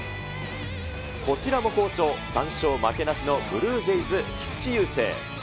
こちらも好調、３勝負けなしのブルージェイズ、菊池雄星。